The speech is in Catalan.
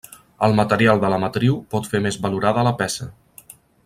El material de la matriu pot fer més valorada la peça.